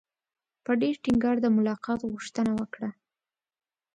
په ډېر ټینګار د ملاقات غوښتنه وکړه.